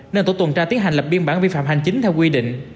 nên tổ tuần tra tiến hành lập biên bản vi phạm hành chính theo quy định